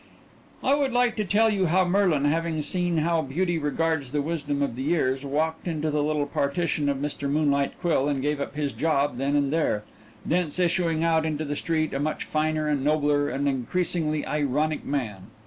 I would like to tell you how Merlin, having seen how beauty regards the wisdom of the years, walked into the little partition of Mr. Moonlight Quill and gave up his job then and there; thence issuing out into the street a much finer and nobler and increasingly ironic man.